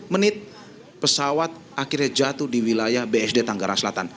menit pesawat akhirnya jatuh di wilayah bsd tanggarang selatan